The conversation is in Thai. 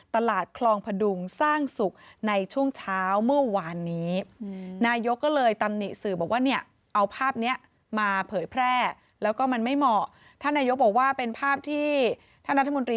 ตลาดคลองพดุงสร้างสุขในช่วงเช้าเมื่อวานนี้